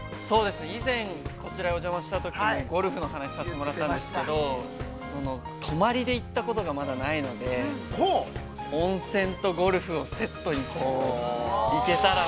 ◆以前、こちらにお邪魔したときにゴルフの話をさせてもらったんですけど、泊まりで行ったことが、まだないので、温泉とゴルフをセットに行けたらなと。